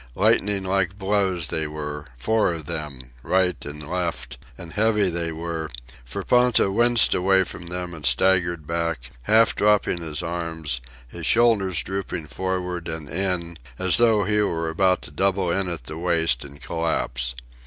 Lightning like blows they were, four of them, right and left; and heavy they were, for Ponta winced away from them and staggered back, half dropping his arms, his shoulders drooping forward and in, as though he were about to double in at the waist and collapse.